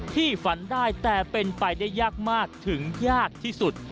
ฝันได้แต่เป็นไปได้ยากมากถึงยากที่สุด